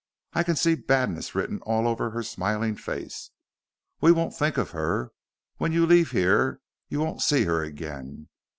I can see badness written all over her smiling face. We won't think of her. When you leave here you won't see her again.